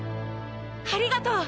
ありがとう。